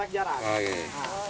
jadi nampak jarak jarak